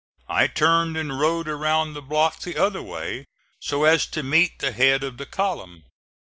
I turned and rode around the block the other way, so as to meet the head of the column.